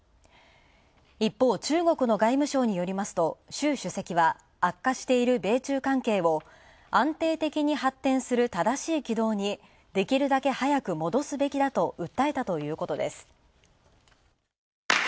一方、中国の外務省によりますと習主席は悪化している米中関係を安定的に発展する正しい軌道にできるだけ早く戻すべきだと訴えたということです。